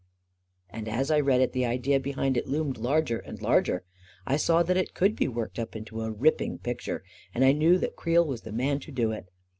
.•. And as I read it, the idea behind it loomed larger and larger; I saw that it could be worked up into a ripping picture — and I knew that Creel was the man to do it.